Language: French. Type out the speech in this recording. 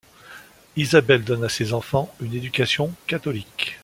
Isabelle donne à ses enfants une éducation catholique.